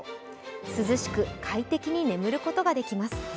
涼しい快適に眠ることができます。